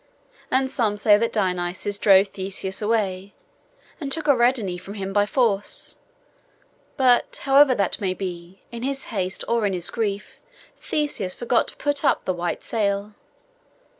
And some say that Dionusos drove away Theseus, and took Ariadne from him by force: but however that may be, in his haste or in his grief, Theseus forgot to put up the white sail.